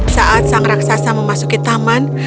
saat sang raksasa memasuki taman